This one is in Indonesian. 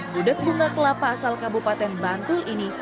gudeg bunga kelapa asal kabupaten bantul ini